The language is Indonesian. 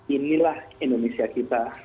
inilah indonesia kita